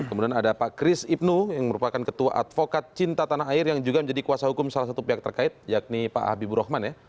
kemudian ada pak kris ibnu yang merupakan ketua advokat cinta tanah air yang juga menjadi kuasa hukum salah satu pihak terkait yakni pak habibur rahman ya